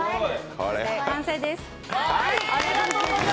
完成です。